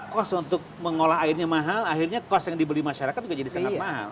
kos untuk mengolah airnya mahal akhirnya kos yang dibeli masyarakat juga jadi sangat mahal